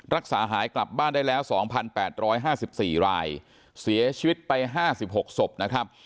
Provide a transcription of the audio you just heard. รักษาหายกลับบ้านได้แล้วสองพันแปดร้อยห้าสิบสี่รายเสียชีวิตไปห้าสิบหกศพนะครับ